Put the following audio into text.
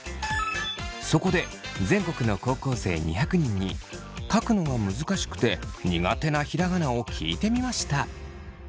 そこで全国の高校生２００人に書くのが難しくて苦手なひらがなを聞いてみました。